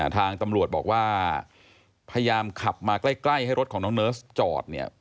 ทางตำรวจบอกว่าพยายามขับมาใกล้ให้รถของน้องเนิร์สจอดเนี่ย